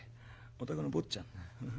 お宅の坊ちゃん。